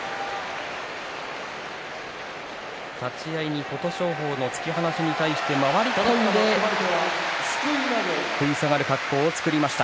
立ち合いに琴勝峰の突き放しに対して回り込んで食い下がる格好を作りました。